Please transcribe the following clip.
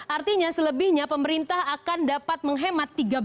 artinya selebihnya pemerintah akan dapat menghemat